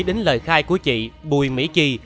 đến lời khai của chị bùi mỹ chi